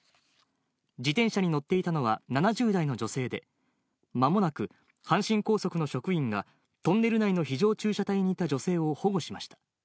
自転車に乗っていたのは７０代の女性で、まもなく阪神高速の職員が、トンネル内の非常駐車帯にいた女性を保護しました。